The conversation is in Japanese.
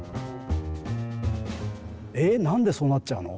えなんでそうなっちゃうの？